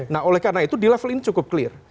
nah oleh karena itu di level ini cukup clear